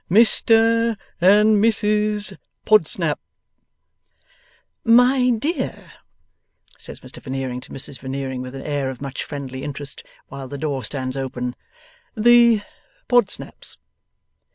'Mis ter and Mis sus Podsnap!' 'My dear,' says Mr Veneering to Mrs Veneering, with an air of much friendly interest, while the door stands open, 'the Podsnaps.